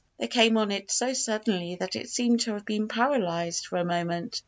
They came on it so suddenly that it seemed to have been paralysed for a moment.